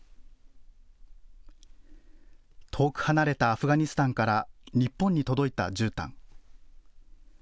遠く離れたアフガニスタンから日本に届いたじゅうたん。